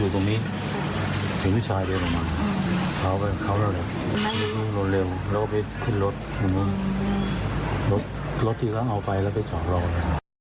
เข้าไปขึ้นรถรถที่กำลังเอาไปแล้วไปจอดรถ